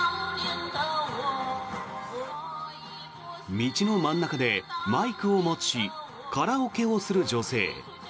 道の真ん中でマイクを持ちカラオケをする女性。